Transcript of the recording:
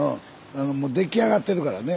もう出来上がってるからね。